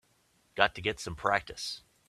Got to get some practice.